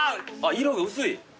色が薄い。